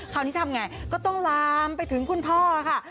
คราวนี้ทำไงก็ต้องลามไปถึงคุณพ่อค่ะ